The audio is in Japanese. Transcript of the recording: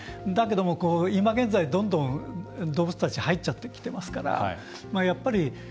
だけども、今現在どんどん動物たち入っちゃってきてますから。